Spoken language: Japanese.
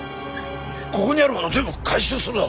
ここにあるもの全部回収するぞ。